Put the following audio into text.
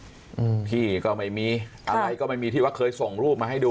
อืมพี่ก็ไม่มีอะไรก็ไม่มีที่ว่าเคยส่งรูปมาให้ดู